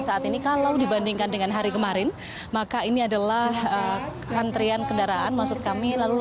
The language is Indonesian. saat ini kalau dibandingkan dengan hari kemarin maka ini adalah antrian kendaraan maksud kami lalu